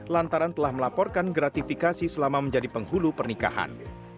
lantaran telah melaporkan gratifikasi selama menjadi penghulu pernikahan